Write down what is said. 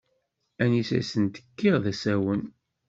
Anisa i asent-kkiɣ d asawen.